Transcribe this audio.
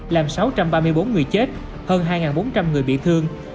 làm sáu trăm ba mươi bốn người chết hơn hai bốn trăm linh người bị thương